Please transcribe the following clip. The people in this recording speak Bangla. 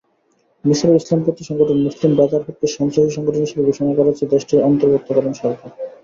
মিসরের ইসলামপন্থী সংগঠন মুসলিম ব্রাদারহুডকে সন্ত্রাসী সংগঠন হিসেবে ঘোষণা করেছে দেশটির অন্তর্বর্তীকালীন সরকার।